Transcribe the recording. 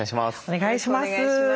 お願いします。